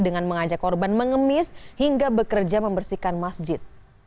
dengan mengajak korban mengemis hingga bekerja membersihkan masjid